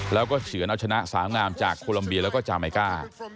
แล้วก็เฉือนเอาชนะสาวงามจากโคลัมเบียแล้วก็จาเมก้า